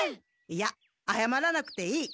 いやあやまらなくていい。